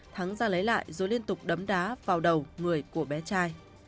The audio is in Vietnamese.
thắng ra lấy lại rồi liên tục đấm đá vào đầu người của bé trai